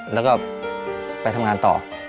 แล้วก็ไปทำงานต่อ